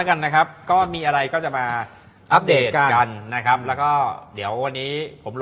ครับครับครับครับครับ